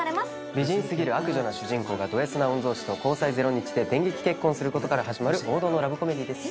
美人すぎる悪女な主人公がドＳな御曹司と交際ゼロ日で電撃結婚することから始まる王道のラブコメディーです